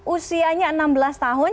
usianya enam belas tahun